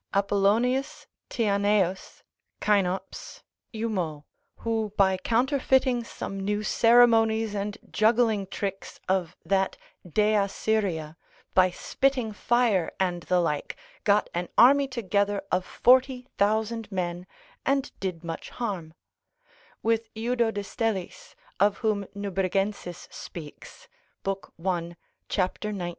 Apollonius Tianaeus, Cynops, Eumo, who by counterfeiting some new ceremonies and juggling tricks of that Dea Syria, by spitting fire, and the like, got an army together of 40,000 men, and did much harm: with Eudo de stellis, of whom Nubrigensis speaks, lib. 1. cap. 19.